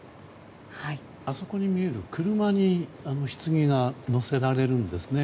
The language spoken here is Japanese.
あそこに見える車にひつぎが乗せられるんですね。